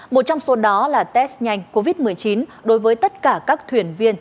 một trong số đó là test nhanh covid một mươi chín đối với tất cả các thuyền viên